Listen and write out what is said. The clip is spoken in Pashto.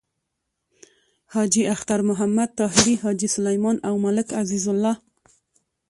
حاجی اختر محمد طاهري، حاجی سلیمان او ملک عزیز الله…